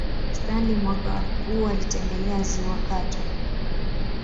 Stanley mwaka huo alitembelea Ziwa Katwe